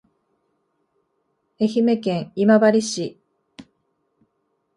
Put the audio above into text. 愛媛県今治市